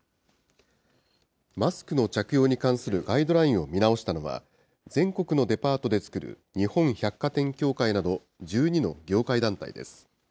マスクの着用に関するガイドラインを見直したのは、全国のデパートで作る日本百貨店協会など１２の業界団体です。